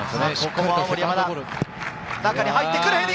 中に入ってくる。